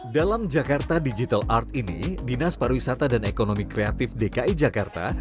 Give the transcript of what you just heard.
dalam jakarta digital art ini dinas pariwisata dan ekonomi kreatif dki jakarta